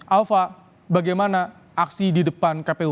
alva bagaimana aksi di depan kpu